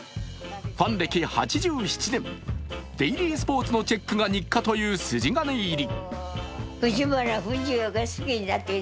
ファン歴８７年、「デイリースポーツ」のチェックが日課という筋金入り。